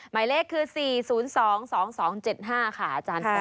หมายเลขคือ๔๐๒๒๗๕ค่ะอาจารย์ค่ะ